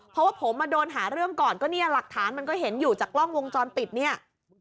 เพราะว่าผมมาโดนหาเรื่องก่อนก็เนี่ยหลักฐานมันก็เห็นอยู่จากกล้องวงจรปิดเนี่ย